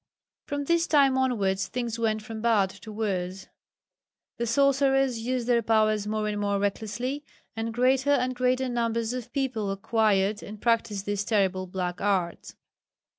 From this time onwards things went from bad to worse. The sorcerers used their powers more and more recklessly, and greater and greater numbers of people acquired and practised these terrible "black arts."